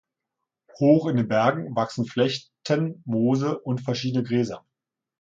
Hoch in den Bergen wachsen Flechten, Moose und verschiedene Gräser.